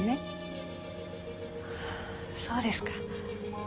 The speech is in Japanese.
そうですか。